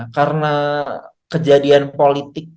karena kejadian politik